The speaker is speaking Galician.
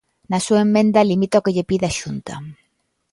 Na súa emenda limita o que lle pide á Xunta.